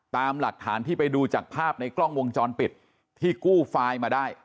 ตามหลักฐานที่ไปดูจากภาพในกล้องวงจรปิดที่กู้ไฟล์มาได้